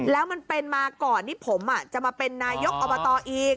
แล้วมันเป็นมาก่อนที่ผมจะมาเป็นนายกอบตอีก